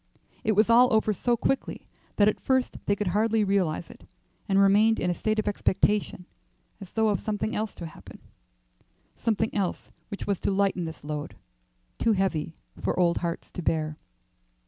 It was all over so quickly that at first they could hardly realize it, and remained in a state of expectation as though of something else to happen something else which was to lighten this load, too heavy for old hearts to bear.